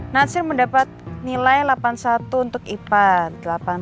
nasir mendapat nilai delapan puluh satu untuk ipad